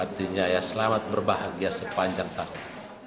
artinya ya selamat berbahagia sepanjang tahun